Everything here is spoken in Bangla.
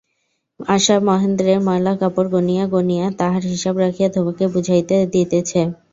আশা মহেন্দ্রের ময়লা কাপড় গনিয়া গনিয়া, তাহার হিসাব রাখিয়া ধোবাকে বুঝাইয়া দিতেছে।